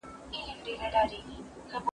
هغه نیم سوځېدلی سګرټ له موټره وغورځاوه.